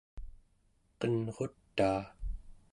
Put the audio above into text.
qenrutaa